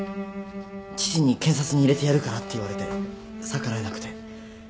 父に検察に入れてやるからって言われて逆らえなくて。